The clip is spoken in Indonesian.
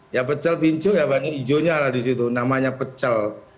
ya pecel pincu ya banyak hijaunya lah di situ namanya pecel